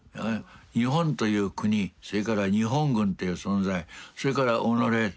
日本という国それから日本軍という存在それから己ですね